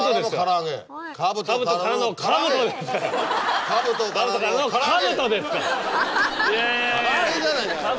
唐揚げじゃないか。